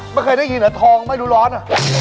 ไม่เคยได้ยินเหรอทองไม่รู้ร้อนอ่ะ